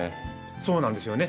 そうなんですよね。